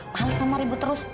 males mau ribut terus